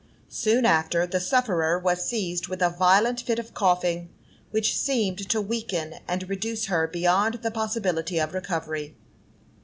Soon after, the sufferer was seized with a violent fit of coughing, which seemed to weaken and reduce her beyond the possibility of recovery.